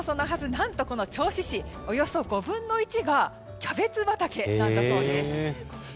何と、この銚子市はおよそ５分の１がキャベツ畑なんだそうです。